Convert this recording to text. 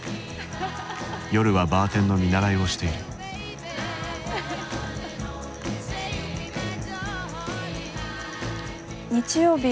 夜はバーテンの見習いをしている日曜日